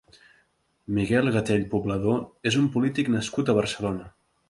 Miguel Gatell Poblador és un polític nascut a Barcelona.